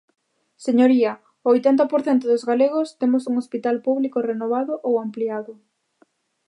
Señoría, o oitenta por cento dos galegos temos un hospital público renovado ou ampliado.